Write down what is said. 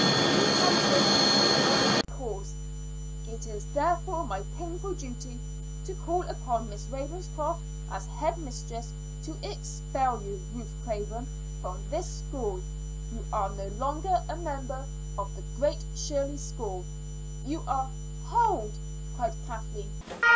You have chosen the unworthy course. It is therefore my painful duty to call upon Miss Ravenscroft as head mistress to expel you, Ruth Craven, from this school. You are no longer a member of the Great Shirley School; you are " "Hold!" cried Kathleen.